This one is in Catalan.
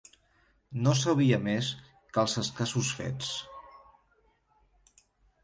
No sabia més que els escassos fets.